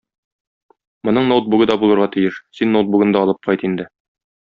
Моның ноутбугы да булырга тиеш, син ноутбугын да алып кайт инде